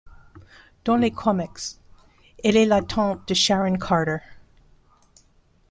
Dans les comics, elle est la tante de Sharon Carter.